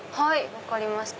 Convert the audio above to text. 分かりました。